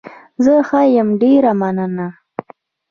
زه ښه يم، ډېره مننه.